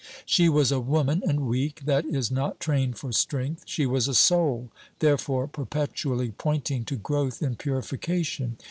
She was a woman and weak; that is, not trained for strength. She was a soul; therefore perpetually pointing to growth in purification.